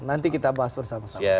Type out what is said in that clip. nanti kita bahas bersama sama